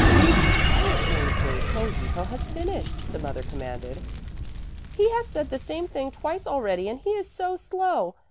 "Be quiet, Mäzli, till Lippo has finished," the mother commanded. "He has said the same thing twice already and he is so slow.